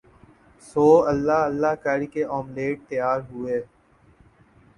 سو اللہ اللہ کر کے آملیٹ تیار ہوئے